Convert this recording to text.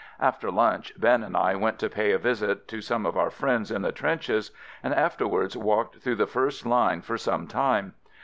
After lunch, Ben and I went to pay a visit to some of our friends in the trenches and afterwards walked through the first line for some time.